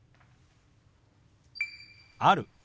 「ある」。